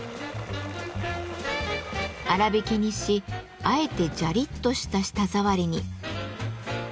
粗びきにしあえてジャリッとした舌触りに。